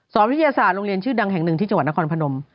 สรภิเศษฐรมโรงเรียนชื่อดังแห่งหนึ่งที่จังหวัดออกคอนพนม